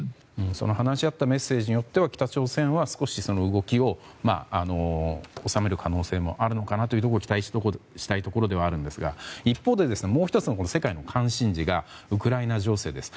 その話し合ったメッセージによっては北朝鮮は少し動きを収める可能性もあるのかなというところ期待したいところではあるんですが一方でもう１つの世界の関心事がウクライナ情勢です。